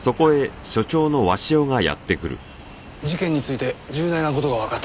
事件について重大な事がわかったというのは？